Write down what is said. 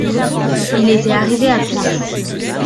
Il était arrivé à point.